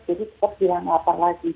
jadi cepat tidak lapar lagi